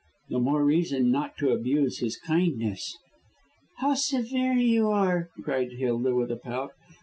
"The more reason not to abuse his kindness." "How severe you are!" cried Hilda, with a pout.